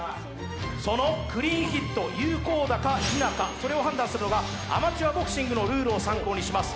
そのクリーンヒット、有効打か否かそれを判断するのがアマチュアボクシングのルールを参考にします。